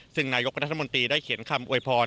ซึ่งนายกรัฐมนตรีได้เขียนคำอวยพร